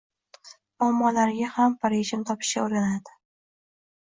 muammolariga ham birga yechim topishga oʻrganadi.